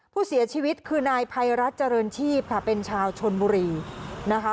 ผู้เสียชีวิตคือนายภัยรัฐเจริญชีพค่ะเป็นชาวชนบุรีนะคะ